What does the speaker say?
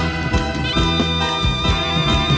กลับไปที่นี่